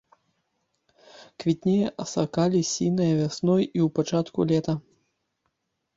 Квітнее асака лісіная вясной і ў пачатку лета.